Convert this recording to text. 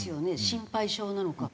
心配性なのか。